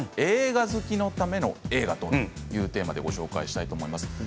映画好きのための映画というテーマでご紹介します。